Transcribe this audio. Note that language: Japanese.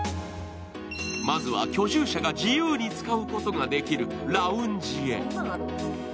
まずは、居住者が自由に使うことができるラウンジへ。